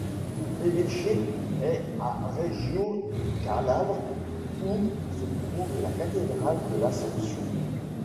L'évêché est à Reggio de Calabre où se trouve la cathédrale de l'assomption.